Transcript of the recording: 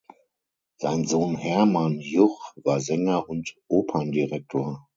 Sein Sohn Hermann Juch war Sänger und Operndirektor.